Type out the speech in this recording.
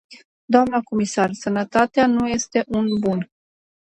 Dnă comisar, sănătatea nu este un bun.